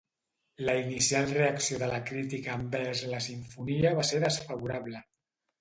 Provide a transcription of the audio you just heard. La inicial reacció de la crítica envers la simfonia va ser desfavorable.